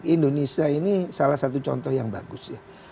indonesia ini salah satu contoh yang bagus ya